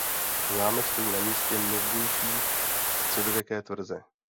Zámek stojí na místě někdejší středověké tvrze.